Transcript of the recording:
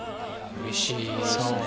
うれしいっすね！